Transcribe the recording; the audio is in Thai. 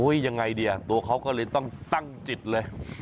ยังไงดีอ่ะตัวเขาก็เลยต้องตั้งจิตเลย